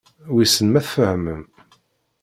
Wissen ma tfehmem.